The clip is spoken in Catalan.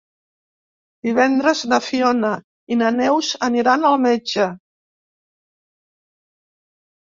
Divendres na Fiona i na Neus aniran al metge.